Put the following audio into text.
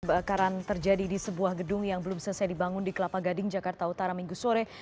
kebakaran terjadi di sebuah gedung yang belum selesai dibangun di kelapa gading jakarta utara minggu sore